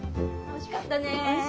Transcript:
おいしかったね。